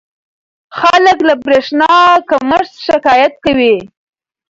خلک له برېښنا کمښت شکایت کوي.